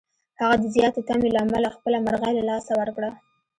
هغه د زیاتې تمې له امله خپله مرغۍ له لاسه ورکړه.